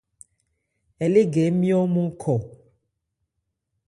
Ɛ lé gɛ ńmyɔ́ ɔ́nmɔn khɔ.